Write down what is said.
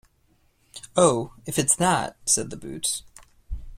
"Oh, if it's that..." said the boots.